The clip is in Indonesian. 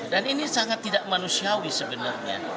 dan ini sangat tidak manusiawi sebenarnya